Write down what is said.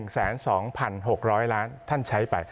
๑แสน๒พัน๖ร้อยล้านบาทท่านใช้ไป